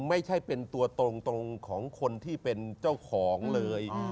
ไม่ใช่เป็นตัวตรงของคนที่เป็นเจ้าของเลย